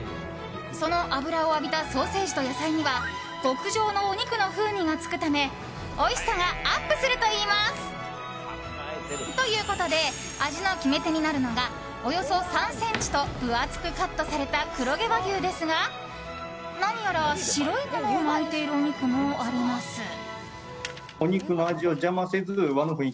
その脂を浴びたソーセージと野菜には極上のお肉の風味がつくためおいしさがアップするといいます。ということで味の決め手になるのがおよそ３ｃｍと分厚くカットされた黒毛和牛ですが何やら白いものを巻いているお肉もあります。